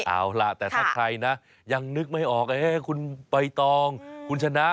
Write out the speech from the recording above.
เอาล่ะแต่ถ้าใครนะยังนึกไม่ออกคุณใบตองคุณชนะ